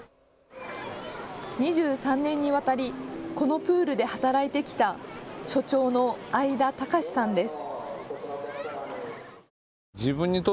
２３年にわたりこのプールで働いてきた所長の會田孝志さんです。